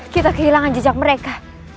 kita kehilangan jejak mereka